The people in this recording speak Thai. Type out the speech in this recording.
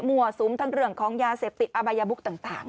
มั่วสูมทั้งเรื่องของยาเสพติดอับยบุคต่าง